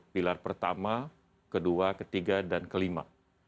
pilar pertama kedua ketiga dan kelima